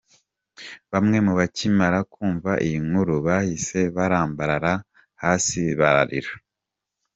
Bamwe bakimara kumva iyi nkuru bahise barambarara hasi bararira.